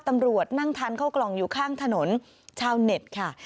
นั่งทานเข้ากล่องอยู่ข้างถนนชาวเน็ตค่ะ